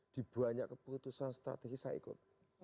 di banyak keputusan strategi saya ikut